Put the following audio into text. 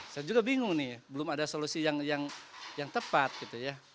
saya juga bingung nih belum ada solusi yang tepat gitu ya